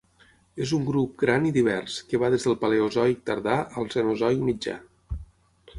És un grup gran i divers que va des del Paleozoic tardà al Cenozoic mitjà.